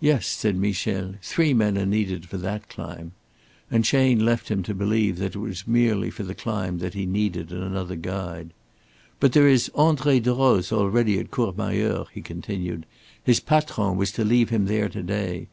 "Yes," said Michel. "Three men are needed for that climb," and Chayne left him to believe that it was merely for the climb that he needed another guide. "But there is André Droz already at Courmayeur," he continued. "His patron was to leave him there to day.